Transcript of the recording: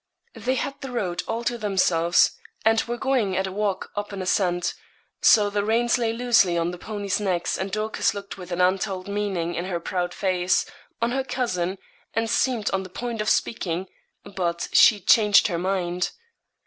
They had the road all to themselves, and were going at a walk up an ascent, so the reins lay loosely on the ponies' necks and Dorcas looked with an untold meaning in her proud face, on her cousin, and seemed on the point of speaking, but she changed her mind.